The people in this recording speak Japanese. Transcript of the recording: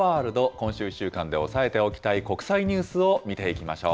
今週１週間で押さえておきたい国際ニュースを見ていきましょう。